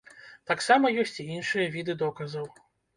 Таксама ёсць і іншыя віды доказаў.